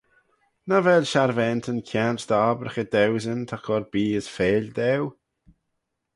Nagh vel sharvaantyn kianglt dy obbraghey dauesyn ta cur bee as feill daue?